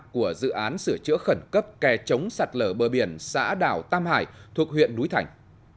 của dự án sửa chữa khẩn cấp kè chống sạt lở bờ biển xã đảo tam hải thuộc huyện núi thành